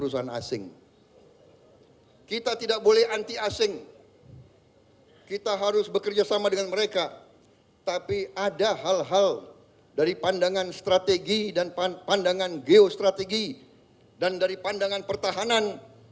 semakin berat pantangan